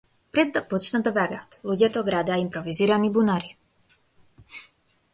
Пред да почнат да бегаат, луѓето градеа импровизирани бунари.